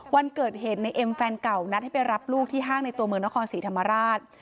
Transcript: วันเกิดเหตุในเอ็มแฟนเก่านัดให้ไปรับลูกที่ห้างในตัวเมืองนครศรีธรรมราช